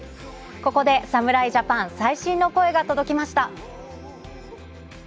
ここで侍ジャパン、最新の声が届きました。